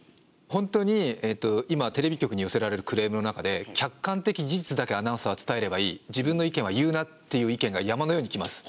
本当に今テレビ局に寄せられるクレームの中で客観的事実だけアナウンサーは伝えればいい自分の意見は言うなっていう意見が山のように来ます。